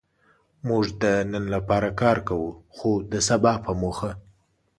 موږ د نن لپاره کار کوو؛ خو د سبا په موخه.